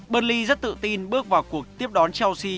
berlie rất tự tin bước vào cuộc tiếp đón chelsea